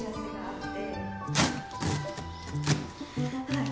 はい。